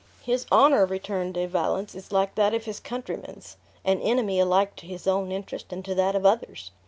"His honor," returned De Valence, "is like that of his countrymen's an enemy alike to his own interest and to that of others.